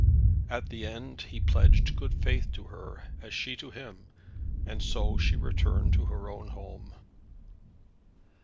At the end he pledged good faith to her, as she to him, and so she returned to her own home.